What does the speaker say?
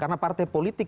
karena partai politik